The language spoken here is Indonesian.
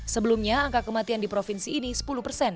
sebelumnya angka kematian di provinsi ini sepuluh persen